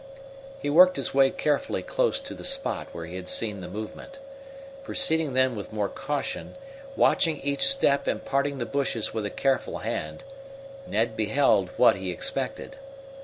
He worked his way carefully close to the spot where he had seen the movement. Proceeding then with more caution, watching each step and parting the bushes with a careful hand, Ned beheld what he expected.